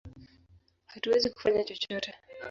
Hatuwezi kufanya chochote!